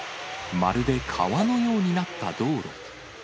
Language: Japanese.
まるで川のようになった道路。